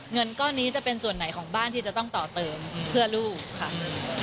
เงินก้อนนี้จะเป็นส่วนไหนของบ้านที่จะต้องต่อเติมเพื่อลูกค่ะ